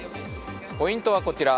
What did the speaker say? ポイントはこちら。